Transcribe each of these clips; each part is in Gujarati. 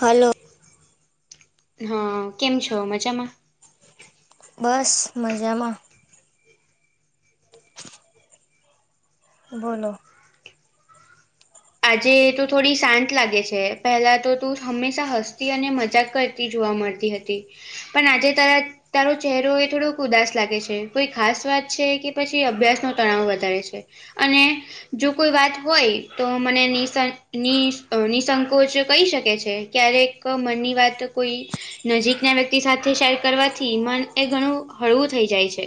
હલો હા, કેમ છો? મજામાં. બસ, મજામાં. બોલો? આજે તો થોડી શાંત લાગે છે. પહેલા તો તું હંમેશા હસતી અને મજાક કર- -તી જોવા મળતી હતી. પણ આજે તારા- તારો ચહેરો એ થોડોક ઉદાસ લાગે છે. કોઈ ખાસ વાત છે, કે, પછી અભ્યાસ નો તણાવ વધારે છે. અને જો કોઈ વાત હોય! તો, મને નિ નિસંકોચ કહી શકે છે! ક્યારેક મનની વાત કોઈ- -નજીકના વ્યક્તિ સાથે શેર કરવાથી, મન એ ઘણું હળવું થઈ જાય છે.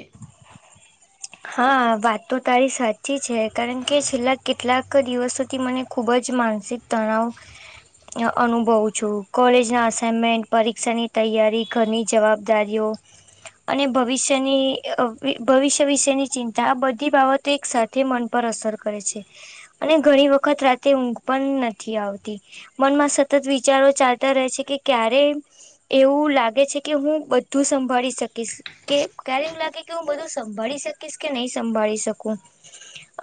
હા, વાત તો તારી સાચી છે. કારણ કે છેલ્લા કેટલાક દિવસોથી મને- -ખુબ જ માનસિક તણાવ- -અનુભવ છું, કોલેજ ના અસઇનમેન્ટ, પરીક્ષાની તૈયારી, ઘરની- -જવાબદારીઓ, અને ભવિષ્યની ભવિષ્ય વિશેની- -ચિંતા આ બધી બાબતો, એક સાથે મન પર અસર કરે છે. અને, ઘણી વખત રાતે ઊંઘ પણ નથી આવતી. મનમાં સતત વિચારો ચાલતા રહે છે, કે ક્યારે- એવું લાગે છે કે હું બધું સંભાળી શકીશ. કે ક્યારે એવું લાગે કે હું બધું સંભાળી શકીશ કે નહી સંભાળી શકું?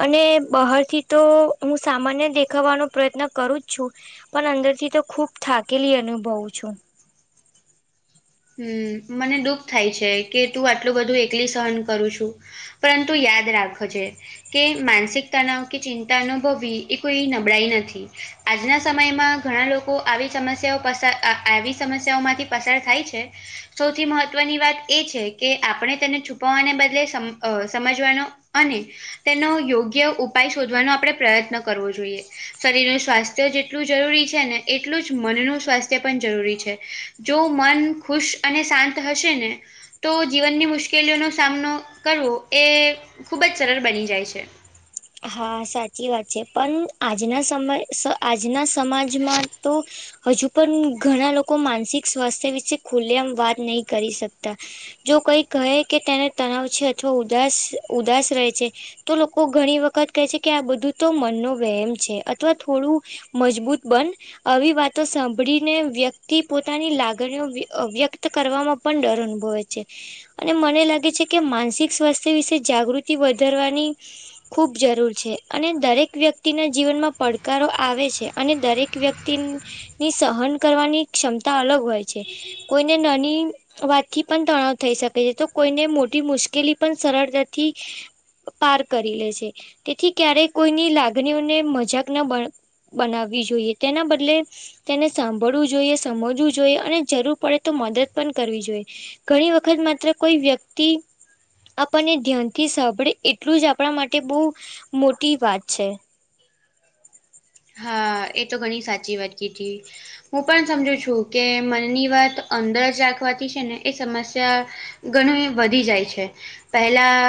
અને બહારથી તો હું સામાન્ય દેખાવાનો પ્રયત્ન કરું જ છું. પણ અંદરથી તો ખૂબ થાકેલી અનુભવું છું. હમ્મ, મને દુઃખ થાય છે કે તું આટલું બધું એકલી સહન કરું છું. પરંતુ યાદ રાખજે કે માનસિક તનાવ કે ચિંતા અનુભવી એ કોઈ નબળાઈ નથી. આજના સમયમાં ઘણા લોકો આવી સમસ્યાઓ પસા આવી સમસ્યાઓમાંથી પસાર થાય છે. સૌથી મહત્વની વાત એ છે કે આપણે તેને છુપાવવાને બદલે સમ અહ સમજવાનો અને તેનો યોગ્ય ઉપાય શોધવાનો આપણે પ્રયત્ન કરવો જોઈએ. શરીરનું સ્વાસ્થ્ય જેટલું જરૂરી છે ને એટલું જ મનનું સ્વાસ્થ્ય પણ જરૂરી છે. જો મન ખુશ અને શાંત હશેને તો જીવનની મુશ્કેલીઓનો સામનો કરવો એ ખૂબ જ સરળ બની જાય છે. હા, સાચી વાત છે પણ આજના સમય આજના સમાજમાં તો હજુ પણ ઘણા લોકો માનસિક સ્વાસ્થ્ય વિશે ખુલેઆમ વાત નહી કરી શકતા. જો કોઈ કહે કે તેને તણાવ છે અથવા ઉદાસ ઉદાસ રહે છે તો લોકો ઘણી વખત કહે છે કે આ બધું તો મનનો વહેમ છે અથવા થોડું મજબૂત બન આવી વાતો સાંભળીને વ્યક્તિ પોતાની લાગણીઓ અહ વ્યક્ત કરવામાં પણ ડર અનુભવે છે. અને મને લાગે છે કે માનસિક સ્વાસ્થ્ય વિશે જાગૃતિ વધારવાની ખૂબ જરૂર છે અને દરેક વ્યક્તિના જીવનમાં પડકારો આવે છે અને દરેક વ્યક્તિન ની સહન કરવાની ક્ષમતા અલગ હોય છે. કોઈને નાની વાતથી પણ તણાવ થઈ શકે છે તો કોઈને મોટી મુશ્કેલી પણ સરળતાથી પાર કરી લે છે તેથી ક્યારેય કોઈની લાગણીઓને મજાક ના બ બનાવવી જોઈએ તેના બદલે તેને સાંભળવું જોઈએ, સમજવું જોઈએ અને જરૂર પડે તો મદદ પણ કરવી જોઈએ. ઘણી વખત માત્ર કોઈ વ્યક્તિ આપણને ધ્યાનથી સાંભળે એટલું જ આપણા માટે બહુ મોટી વાત છે. હા, એ તો ઘણી સાચી વાત કીધી. હું પણ સમજુ છું કે મનની વાત અંદર જ રાખવાથી છે ને એ સમસ્યા ઘણી વધી જાય છે પહેલા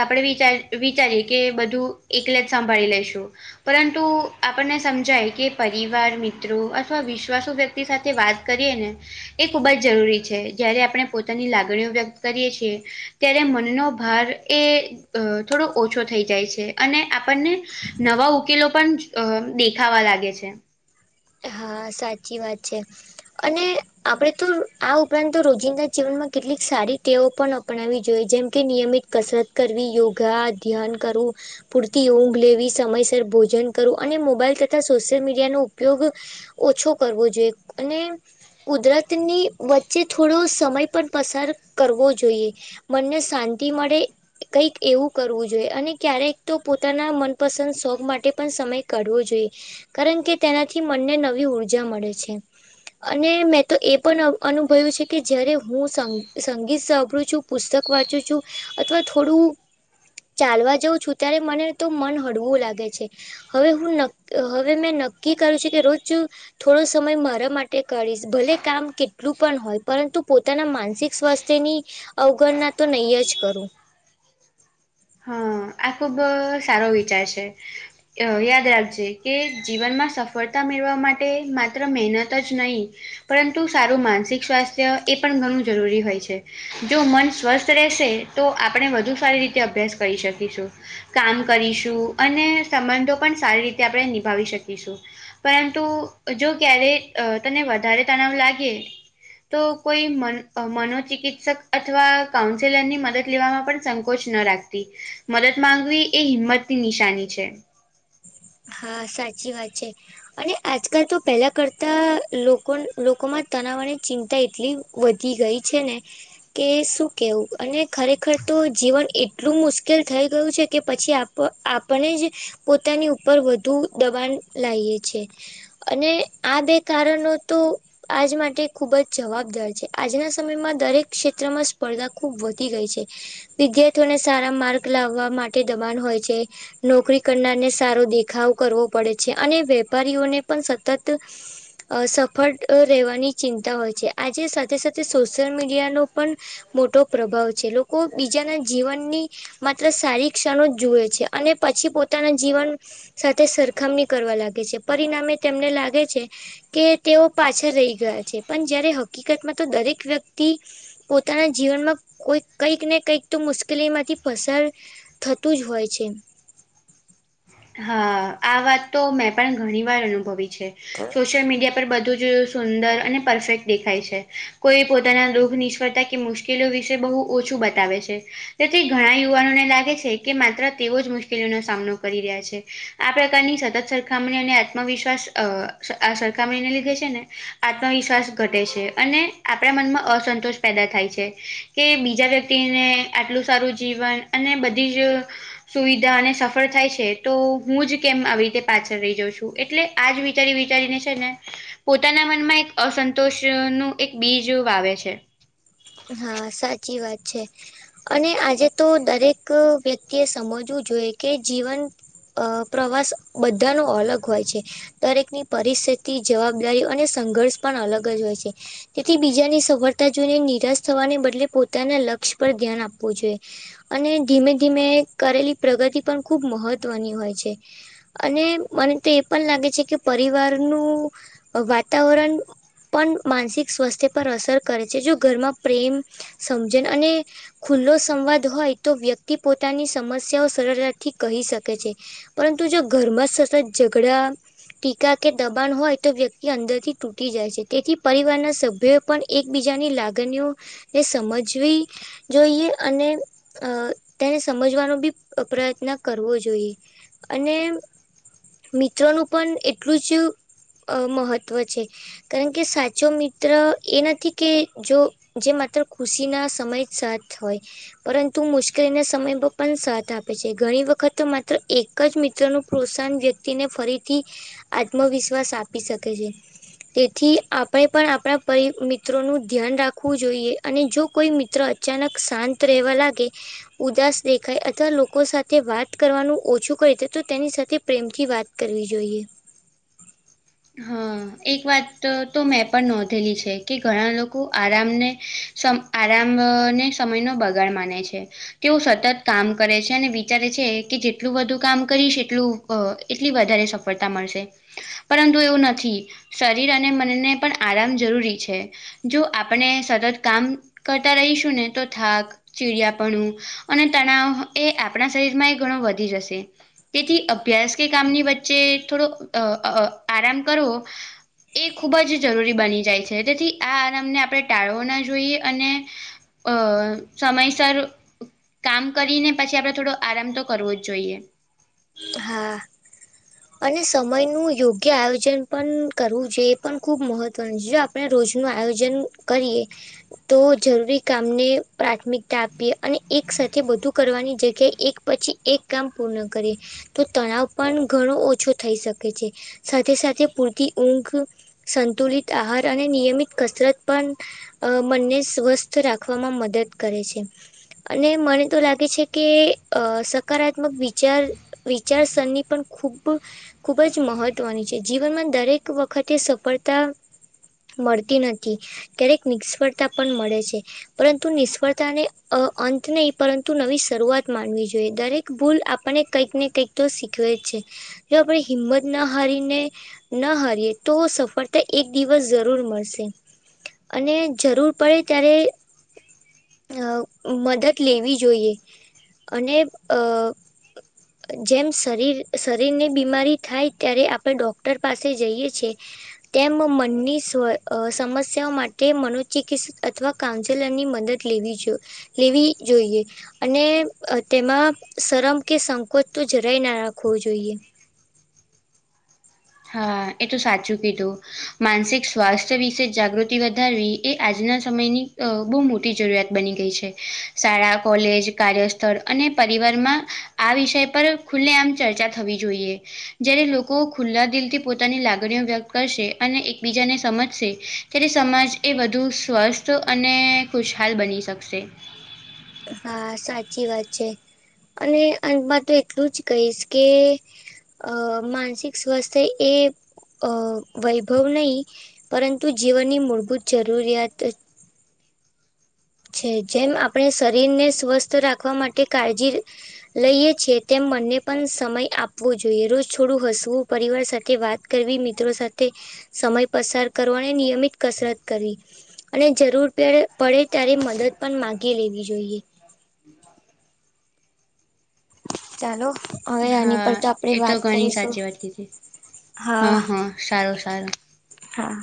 આપડે વિચાર વિચારીએ કે બધું એકલે જ સંભળી લઈશું પરંતુ આપણને સમજાય કે પરિવાર મિત્રો અથવા વિશ્વાસુ વ્યક્તિ સાથે વાત કરીએને એ ખૂબ જ જરૂરી છે જયારે આપણે પોતાની લાગણીઓ વ્યક્ત કરીએ છીએ ત્યારે મનનો ભાર એ અહ થોડો ઓછો થઈ જાય છે અને આપણને નવા ઉકેલો પણ અહ દેખાવા લાગે છે. હા, સાચી વાત છે. અને આપડે તો આ ઉપરાંત તો રોજિંદા જીવનમાં કેટલીક સારી ટેવો પણ પનાવવી જોઈએ કે નિયમિત કસરત કરવી, યોગા ધ્યાન કરવું પૂરતી ઊંઘ લેવી, સમયસર, ભોજન કરવું અને મોબાઈલ તથા સોશિયલ મીડિયાનું ઉપયોગ ઓછો કરવો જોઈએ અને કુદરતની વચ્ચે થોડો સમય પણ પસાર કરવો જોઈએ. મનને શાંતિ મળે કંઈક એવું કરવું જોઈએ અને ક્યારેક તો પોતાના મનપસંદ શોખ માટે પણ સમય કાઢવો જોઈએ. કારણ કે તેનાથી મનને નવી ઉર્જા મળે છે. અને મેં તો એ પણ અનુભવ્યું છે કે, જયારે હું સંગીત સાંભળું છું પુસ્તક વાંચું છું અથવા થોડું ચાલવા જઉં છું, ત્યારે મને તો મન હળવું લાગે છે. હવે, હું ન હવે મેં નક્કી કરું છે કે રોજ થોડો સમય મારા માટે કરીશ. ભલે કામ કેટલું પણ હોય, પરંતુ પોતાના માનસિક સ્વાસ્થ તેની અવગણના તો નહીં જ કરું હા આ ખુબ સારો વિચાર છે. અ યાદ રાખજે કે જીવનમાં સફળતા મેળવા માટે માત્ર મહેનત જ નહીં. પરંતુ માનસિક સ્વાસ્થ્ય એ ઘણું જરૂરી હોય છે. જો મન સ્વસ્થ રહેશે, તો આપણે વધુ સારી રીતે અભ્યાસ કરી શકીશું. કામ કરીશું અને સંબંધો પણ સારી રીતે આપણે નિભાવી શકીશું. પરંતુ જો ક્યારે તને વધારે તણાવ લાગે. તો કોઈ મનોચિકિત્સક અથવા કાઉન્સેલરની મદદ લેવામાં પણ સં કોચ ન રાખતી મદદ માંગવી એ હિંમતની નિશાની છે. હા, સાચી વાત છે. અને આજકાલ તો પહેલા કરતા લોકો, લોકોમાં તનાવાની ચિંતા એટલી વધી ગઈ છે ને કે શું કેવું અને ખરેખર! તો જીવન એટલું મુશ્કેલ થઈ ગયું છે, કે પછી આ પ આપણે જ પોતાની ઉપર વધુ દબાણ લાઈએ છે. અને આ બે કારણો તો આજ માટે ખૂબ જ જવાબદાર છે. આજના સમયમાં દરેક ક્ષેત્રમાં સ્પર્ધા ખૂબ વધી ગઈ છે વિદ્યાર્થીઓને સારા માર્ગ લાવવા માટે દબાણ હોય છે. નોકરી કરનારને સારો દેખાવ કરવો પડે છે અને વેપારીઓને પણ સતત અ સફળ રહેવાની ચિંતા હોય છે. આજે સાથે સાથે સોશિયલ મીડિયાનો પણ મોટો પ્રભાવ છે જે લોકો બીજાના જીવનની માત્ર સારી ક્ષણો જ જુએ છે અને પછી પોતાના જીવન સાથે સરખામણી કરવા લાગે છે. પરિણામે તેમને લાગે છે. કે તેઓ પાછળ રહી ગયા છે, પણ જયારે હકીકતમાં તો દરેક વ્યક્તિ પોતાના જીવનમાં કોઈ કંઈક, કંઈક મુશ્કેલીમાંથી પસાર થતું જ હોય છે. હા, આ વાત તો મેં પણ ઘણી વાર અનુભવી છે. સોશિયલ મીડિયા પર બધું જ સુંદર અને પરફેક્ટ દેખાય છે. કોઈ પોતાના દુઃખ નિષ્ફળતા કે મુસ કિલો વિશે બહુ ઓછું બતાવે છે. તેથી ઘણા યુવાનોને લાગે છે, કે માત્ર તેઓ જ મુશ્કેલીઓનો સામનો કરી રહ્યા છે. આ પ્રકારની સતત સરખામણી અને આત્મવિશ્વાસ અ આ સરખામણીને લીધે છે ને આત્મવિશ્વાસ ઘટે છે અને આપણા મનમાં અસંતોષ પેદા થાય છે. કે બીજા વ્યક્તિને આટલું સારું જીવન અને બધી જ સુવિધા અને સફળ થાય છે. તો જ કેમ આવી રીતે પાછળ રહી જાઉં છું. એટલે આજ વિચારી, વિચારીને છેને પોતાના મનમાં એક અસંતોષનું એક બીજ વાવે છે હા, સાચી વાત છે. અને આજે તો દરેક વ્યક્તિએ સમજવું જોઈએ, કે જીવન અ પ્રવાસ બધાનો અલગ હોય છે. દરેકની પરિસ્થિતિ જવાબદારી અને સંઘર્ષ પણ અલગ જ હશે તેથી બીજાની સફળતા જોઈને નિરાશ થવાને બદલે, પોતાના લક્ષ્ય પર ધ્યાન આપવું જોઈએ. અને ધીમે ધીમે કરેલી પ્રગતિ પણ ખુબ મહત્વની હોય છે. અને મને તો એ પણ લાગે છે કે પરિવાર, નુ વાતાવરણ પણ માનસિક સ્વાસ્થ્ય પર અસર કરે છે. જો ઘરમાં પ્રેમ, સમજણ અને ખુલ્લો સંવાદ હોય તો વ્યક્તિ પોતાની સમસ્યાઓ સરળતાથી કહી શકે છે. પરંતુ જો ઘરમાં સતત ઝગડા ટીકા કે દબાણ હોય તો વ્યક્તિ અંદરથી તૂટી જાય છે તેથી પરિવારના સભ્યો એ પણ એકબીજાની લાગણીઓ ને સમજવી જોઈએ અને અ તેને સમજવાનો બી પ્રયત્ન કરવો જોઈએ. અને મિત્રોનું પણ એટલું જ અ મહત્ત્વ છે કારણ સાચો મિત્ર એ નથી કે જો જે માત્ર ખુશીના સમય સાથ હોય. પરંતુ મુશ્કેલીને સમય પ પણ સાથ આપે છે ઘણી વખત માત્ર એક એક જ મિત્રોનું પ્રોત્સાહન વ્યક્તિને ફરીથી આત્મવિશ્વાસ આપી શકે છે. તેથી આપણે પણ આપણા પરિ મિત્રો નું ધ્યાન રાખ- ખૂ જોઈએ અને જો કોઈ મિત્ર અચાનક શાંત રહેવા લાગે ઉદાસ દેખાય અથવા લોકો સાથે વાત કરવાનું ઓછું કરી દે તો તેની સાથે પ્રેમથી વાત કરવી જોઈએ. હા. એક વાત તો તો મેં પણ નોંધેલી છે કે ઘણા લોકો આરામને સમ આરામને સમયનો બગાડ માને છે. તેઓ સતત કામ કરે છે અને વિચારે છે એ કે જેટલું બધું કામ કરીશ એટલું અ એટલી વધારે સફળતા મળશે પરંતુ એવું નથી શરીર અને મનને પણ આરામ જરૂરી છે. જો આપણે સતત કામ કરતા રહીશું ને તો થાક ચીડિયાપણું અને તણાવ એ આપણા શરીરમાં એ ઘણો વધી જશે. તેથી અભ્યાસ કે કામની વચ્ચે થોડો અ અ આરામ કરવો. એ ખૂબ જ જરૂરી બની જાય છે તેથી આ આરામને આપણે ટાળવો ના જોઈએ અને અ સમયસર કામ કરીને પછી આપડે થોડો આરામ તો કરવો જ જોઈએ. હા. અને સમયનું યોગ્ય આયોજન પણ કરવું જોઈએ પણ ખૂબ મહત્ત્વનું છે જો આપ- પણ રોજ નું આયોજન કરીએ તો જરૂરી કામને પ્રાથમિકતા આપીએ અને એક સાથે બધું કરવાની જગ્યાએ એક પછી એક કામ પૂર્ણ કરીએ. તો તણાવ પણ ઘણો ઓછો થઈ શકે છે સાથે સાથે પૂરતી ઊંઘ સંતુલિત આહાર અને નિયમિત કસરત પણ અ મનને સ્વસ્થ રાખવામાં મદદ કરે છે. અને મને તો લાગે છે કે અ સકારાત્મક વિચાર વિચાર સરની પણ ખૂબ ખૂબ જ મહત્વની છે જીવનમાં દરેક વખતે સફળતા મળતી નથી ક્યારેક નિષ્ફળતા પણ મળે છે. પરંતુ નિષ્ફળતાને અ અંત નહી પરંતુ નવી શરૂઆત માનવી જોઈએ દરેક ભૂલ આપણને કંઈક ને કંઈક તો શીખવે છે જો આપણે હિંમત ના હારીને ન હારીએ તો સફળતા એક દિવસ જરૂર મળશે. અને જરૂર પડે ત્યારે અ મદદ લેવી જોઈએ અને અ જેમ શરીર શરીરની બીમારી થાય ત્યારે આપે ડોક્ટર પાસે જઈએ છે તેમ મનની સવ અ સમસ્યાઓ માટે મનોચિકિત્સિત અથવા કાઉન્સેલર ની મદદ લેવી જો લેવી જોઈએ અને અ તેમાં શરમ કે સંકોચ તો જરાય ના રાખવું જોઈએ. હા એ તો સાચું કીધું. માનસિક સ્વાસ્થ્ય વિશે જાગૃતિ વધારવી એ આજના સમયની અ બહુ મોટી જરૂરિયાત બની ગઈ છે શાળા કોલેજ કાર્યસ્થળ અને પરિવારમાં આ વિષય પર ખુલ્લે આમ ચર્ચા થવી જોઈએ જયારે લોકો ખુલ્લા દિલ થી પોતાની લાગણીઓ વ્યક્ત કરશે અને એકબીજાને સમજશે ત્યારે સમાજ એ બધુ સ્વસ્થ અને ખુશહાલ બની શકશે. હા સાચી વાત છે અને અંત મા તો એટલું જ કહીશ કે અ માનસિક સ્વાસ્થ્ય એ અ વૈભવ નહીં પરંતુ જીવનની મૂળભૂત જરૂરિયાત છે જેમ આપણે શરીર ને સ્વસ્થ રાખવા માટે કાળજી લઈએ છે તેમ મનને પણ સમય આપવો જોઈએ રોજ છોડું હસવું પરિવાર સાથે વાત કરવી મિત્રો સાથે સમય પસાર કરવા અને નિયમિત કસરત કરવી. અને જરૂર પે પડે ત્યારે મદદ પણ માગી લેવી જોઈએ. ચાલો હવે આની હા પર તો આપણેે એ તો વાત ઘણી કરીશું સાચી વાત કીધી હા હા.